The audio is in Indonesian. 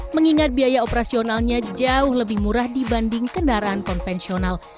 mengingat biaya operasionalnya jauh lebih murah dibanding kendaraan konvensional